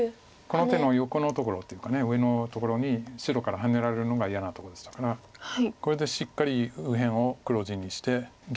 この手の横のところというか上のところに白からハネられるのが嫌なところでしたからこれでしっかり右辺を黒地にして元気な石にして。